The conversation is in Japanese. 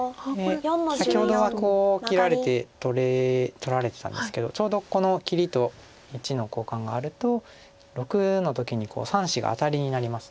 で先ほどはこう切られて取られてたんですけどちょうどこの切りと①の交換があると⑥の時に３子がアタリになります。